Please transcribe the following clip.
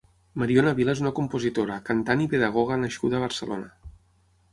Mariona Vila és una compositora, cantant i pedagoga nascuda a Barcelona.